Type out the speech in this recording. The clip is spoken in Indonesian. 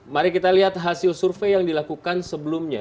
mari kita lihat hasil survei yang dilakukan sebelumnya